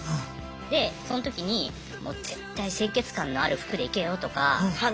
でその時にもう絶対清潔感のある服で行けよとか。